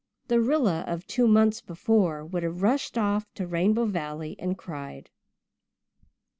The Rilla of two months before would have rushed off to Rainbow Valley and cried.